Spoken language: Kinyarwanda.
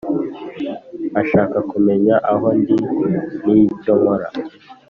ashaka kumenya aho ndi n icyo nkora